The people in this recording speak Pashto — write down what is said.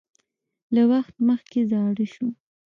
له وخت مخکې زاړه شو